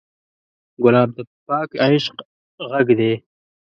ګلاب د پاک عشق غږ دی.